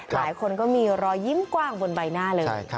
หลายคนก็มีรอยยิ้มกว้างบนใบหน้าเลย